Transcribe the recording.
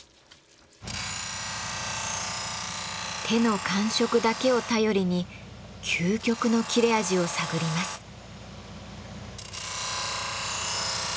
手の感触だけを頼りに究極の切れ味を探ります。